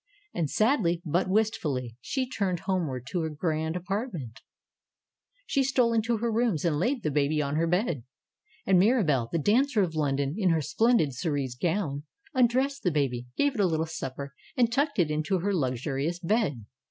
And sadly, but wistfully, she turned homeward to her grand apart ments. She stole into her rooms, and laid the baby on her bed. And Mirabelle, the dancer of London, in her splendid cerise gown, undressed the baby, gave it a little supper and tucked it into her luxurious bed!